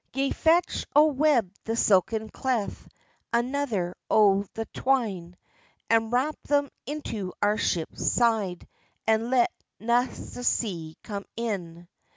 "Gae, fetch a web o' the silken claith, Another o' the twine, And wap them into our ship's side, And let na the sea come in."